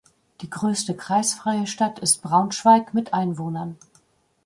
Die größte kreisfreie Stadt ist Braunschweig mit Einwohnern.